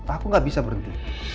aku gak bisa berhenti